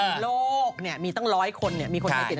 ในโลกเนี่ยมีตั้งร้อยคนเนี่ย